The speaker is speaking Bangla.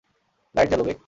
লাইট জালো, বেক।